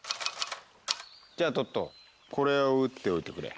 じゃあトットこれを打っておいてくれ。